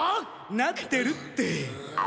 なってるって。